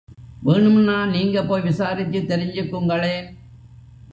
வேணும்னா நீங்க போய் விசாரிச்சு தெரிஞ்சுக்குங்களேன்.